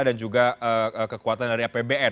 dan juga kekuatan dari apbn